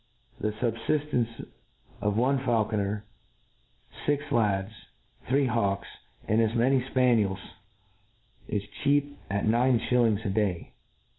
The fubfiftence of one faulconer, fix lads, thr<^ hawks, and as many fpaniels, is cheap at nine fhillings a day.